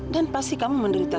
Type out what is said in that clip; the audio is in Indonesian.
dan pasti kamu menderita